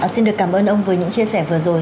xin được cảm ơn ông với những chia sẻ vừa rồi